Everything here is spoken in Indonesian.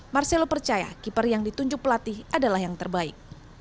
marcelo percaya keeper yang ditunjuk pelatih adalah yang terbaik